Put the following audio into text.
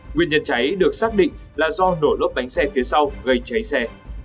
nguyên nhân cháy được xác định là do nổ lốp bánh xe phía sau gây cháy xe